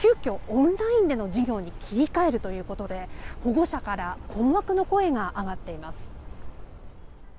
オンラインでの授業に切り替えるということで保護者から困惑の声が上がっています。